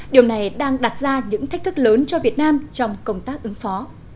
điều này đang đặt ra những thách thức lớn cho việt nam trong công tác ứng phó